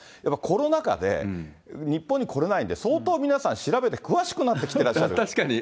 コロナ禍で日本に来れないんで、相当皆さん、調べて詳しくなって確かに。